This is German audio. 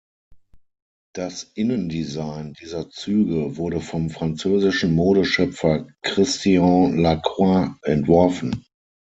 Das Innendesign dieser Züge wurde vom französischen Modeschöpfer Christian Lacroix entworfen.